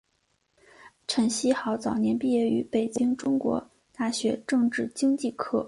陈希豪早年毕业于北京中国大学政治经济科。